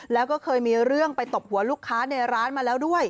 แล้วก็เคยมีเรื่องไปตบหัวลูกค้าในร้านมาแล้วด้วย